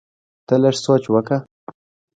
ته لږ سوچ وکړه!